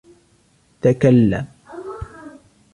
تكلم!